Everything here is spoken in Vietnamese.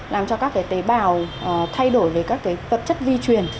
làm cho các tế bào thay đổi về các vật chất vi truyền